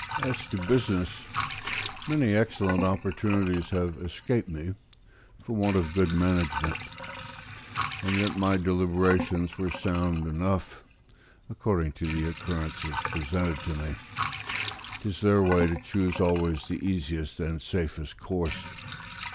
As to business, many excellent opportunities have escaped me for want of good management; and yet my deliberations were sound enough, according to the occurrences presented to me: 'tis their way to choose always the easiest and safest course.